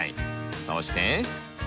そして。